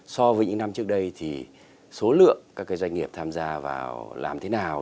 so với những năm trước đây thì số lượng các doanh nghiệp tham gia vào làm thế nào